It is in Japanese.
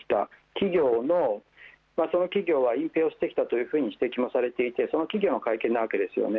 企業のその企業が隠蔽してきたと指摘をされていてその企業の会見なわけですよね。